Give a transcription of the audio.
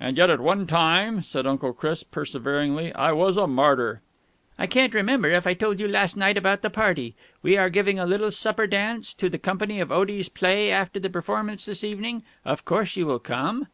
"And yet at one time," said Uncle Chris perseveringly, "I was a martyr...." "I can't remember if I told you last night about the party. We are giving a little supper dance to the company of Otie's play after the performance this evening. Of course you will come?"